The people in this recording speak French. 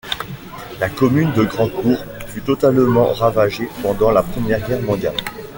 La commune de Grandcourt fut totalement ravagée pendant la Première Guerre mondiale.